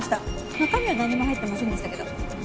中身はなんにも入ってませんでしたけど。